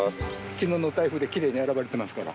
昨日の台風できれいに洗われてますから。